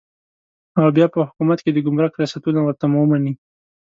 او بیا په حکومت کې د ګمرک ریاستونه ورته ومني.